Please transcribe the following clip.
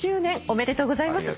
おめでとうございます！